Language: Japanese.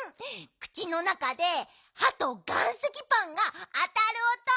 くちのなかではと岩石パンがあたるおと。